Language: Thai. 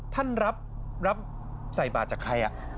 ท่านรับใส่บาทจากใคร